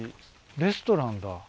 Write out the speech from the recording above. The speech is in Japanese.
レストランだ。